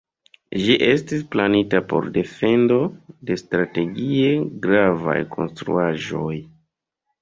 Ĝi estis planita por defendo de strategie gravaj konstruaĵoj.